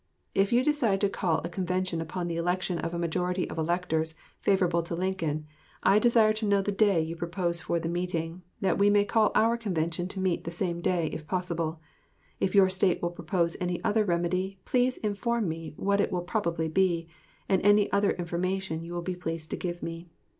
If you decide to call a convention upon the election of a majority of electors favorable to Lincoln, I desire to know the day you propose for the meeting, that we may call our convention to meet the same day, if possible. If your State will propose any other remedy, please inform me what it will probably be, and any other information you will be pleased to give me.